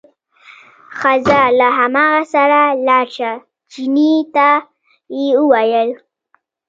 ښه ځه له هماغه سره لاړ شه، چیني ته یې وویل.